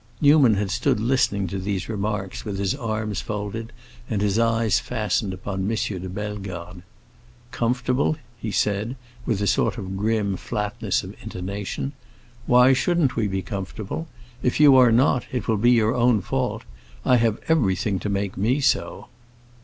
Newman had stood listening to these remarks with his arms folded and his eyes fastened upon M. de Bellegarde, "Comfortable?" he said, with a sort of grim flatness of intonation. "Why shouldn't we be comfortable? If you are not, it will be your own fault; I have everything to make me so."